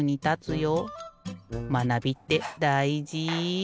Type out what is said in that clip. まなびってだいじ。